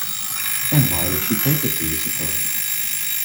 And why did she take it, do you suppose?